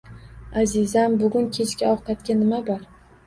- Azizam, bugun kechki ovqatga nima bor?